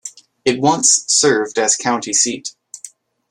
It once served as county seat.